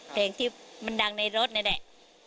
เพลงที่มันดังในรถนี่แหละ